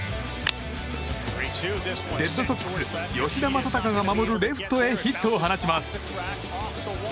レッドソックス、吉田正尚が守るレフトへヒットを放ちます。